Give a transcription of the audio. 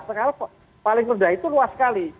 sekarang paling rendah itu luas sekali